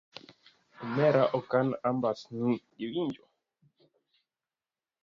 Omera ok anmbasni iwinjo